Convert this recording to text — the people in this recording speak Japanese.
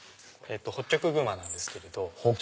ホッキョクグマなんですけれど。